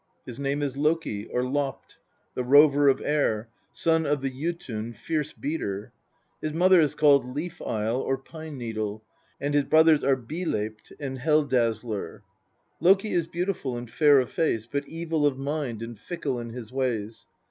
His name is l oki, or Lopt, the Rover of Air, son of the Jotun Fierce beater. His mother is called Leaf isle or Pine needle, and his brothers are Byleipt and Hel dazzler. Loki is beautiful and fair of face, but evil of mind and fickle in his ways.